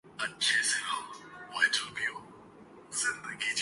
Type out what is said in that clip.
دامن نچوڑ دیں تو فرشتے وضو کریں''